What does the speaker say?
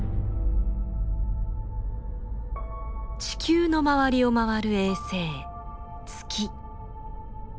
地球の周りを回る衛星「月」。